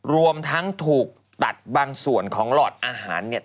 รวมทั้งถูกตัดบางส่วนของหลอดอาหารเนี่ย